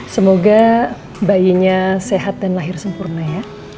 semoga bayinya sehat dan lahir sempurna ya